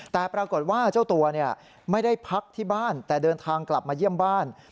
แต่ปรากฏว่าเจ้าตัวไม่ได้พักที่บ้านแต่เดินทางกลับมาเยี่ยมบ้าน